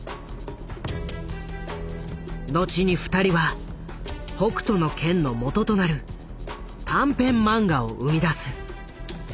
後に２人は「北斗の拳」のもととなる短編漫画を生み出す。